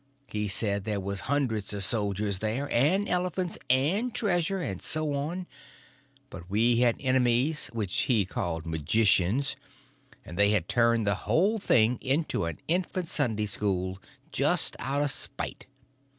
He said there was hundreds of soldiers there, and elephants and treasure, and so on, but we had enemies which he called magicians; and they had turned the whole thing into an infant Sunday school, just out of spite.